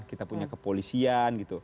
kita punya kepolisian